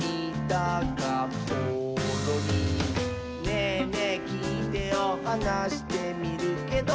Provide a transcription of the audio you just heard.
「『ねぇねぇきいてよ』はなしてみるけど」